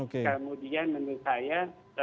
kemudian menurut saya